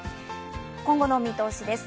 今後の見通しです。